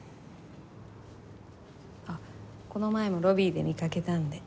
あっこの前もロビーで見かけたんで。